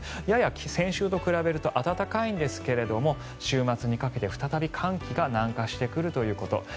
やや、先週と比べると暖かいんですが週末にかけて再び寒気が南下してくるということ